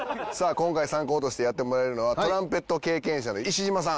今回参考としてやってもらえるのはトランペット経験者の石嶌さん。